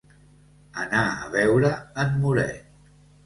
Anar a veure en Moret.